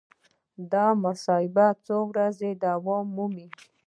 دا مباحثه څو ورځې دوام مومي.